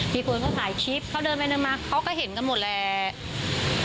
มีคนเขาถ่ายคลิปเขาเดินไปเดินมาเขาก็เห็นกันหมดแหละ